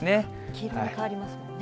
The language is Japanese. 黄色に変わりますもんね。